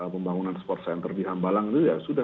pembangunan sports center di hambalang itu ya sudah